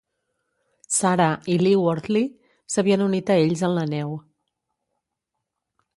Sarah i Lee-Wortley s'havien unit a ells en la neu.